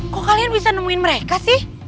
kok kalian bisa nemuin mereka sih